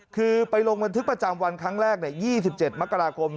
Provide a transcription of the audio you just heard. คือไปลงบันทึกประจำวันครั้งแรก๒๗มกราคม